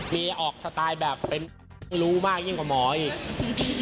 มีออกสไตล์แบบเป็นรู้มากยิ่งกว่าหมออีก